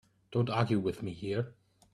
Don't argue with me here.